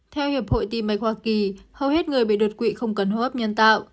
theo hiệp hội tim mạch hoa kỳ hầu hết người bị đột quỵ không cần hô hấp nhân tạo